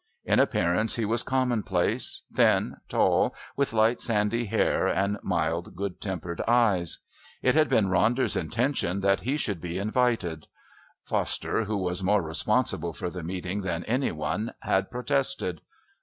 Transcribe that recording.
In appearance he was common place, thin, tall, with light sandy hair and mild good tempered eyes. It had been Ronder's intention that he should be invited. Foster, who was more responsible for the meeting than any one, had protested.